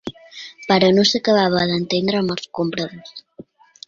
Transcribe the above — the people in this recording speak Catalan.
Però no s'acabava d'entendre amb els compradors.